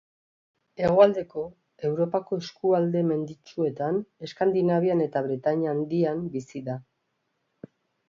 Hegoaldeko Europako eskualde menditsuetan, Eskandinavian eta Bretainia Handian bizi da.